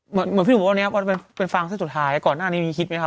เหมือนพี่หนูบอกว่าเนี้ยว่าเป็นฟ้างเส้นสุดท้ายก่อนอันนี้มีคิดไหมคะ